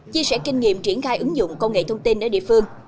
chia sẻ kinh nghiệm triển khai ứng dụng công nghệ thông tin ở địa phương